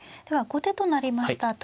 では後手となりました